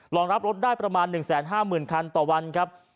รองรับรถได้ประมาณ๑๕๐๐๐คันต่อวันครับ